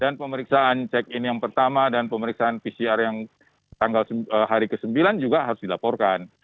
dan pemeriksaan check in yang pertama dan pemeriksaan pcr yang tanggal hari ke sembilan juga harus dilaporkan